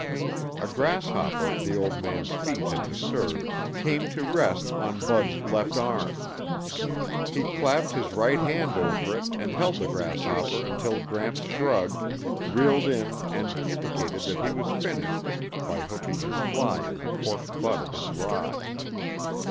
A grasshopper the old man's feet had disturbed came to rest on Bud's left arm. He clapped his right hand over it and held the grasshopper until Gramps shrugged, reeled in and indicated that he was finished by hooking his fly in the cork butt of his rod.